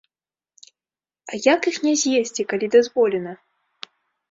А як іх не з'есці, калі дазволена?